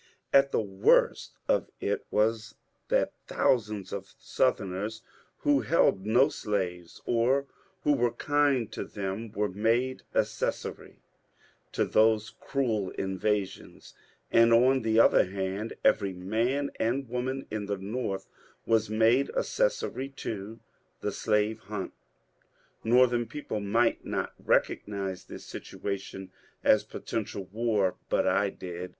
And the worst of it was that thousands of Southerners who held no slaves, or who were kind to them, were made acces sory to those cruel invasions ; and, on the other hand, every man and woman in the North was made accessory to the slave hunt. Northern people might not recognize this situa tion as potential war, but I did.